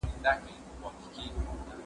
انځور وګوره،